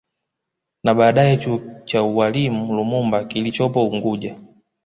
Na baadaye chuo cha ualimu Lumumba kilichopo unguja